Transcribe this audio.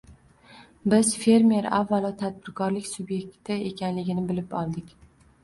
biz fermer avvalo tadbirkorlik sub’ekti ekanligini bilib oldik.